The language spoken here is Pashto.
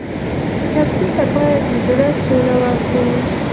ټپي ته باید د زړه سوله ورکړو.